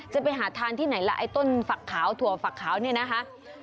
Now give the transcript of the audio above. จะไปหาทานที่ไหนล่ะไอ้ต้นฝักขาวถั่วฝักขาวเนี่ยนะคะ